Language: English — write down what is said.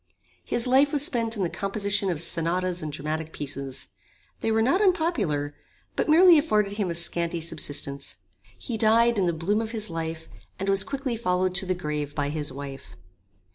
His life was spent in the composition of sonatas and dramatic pieces. They were not unpopular, but merely afforded him a scanty subsistence. He died in the bloom of his life, and was quickly followed to the grave by his wife.